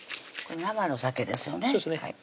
これ生のさけですよね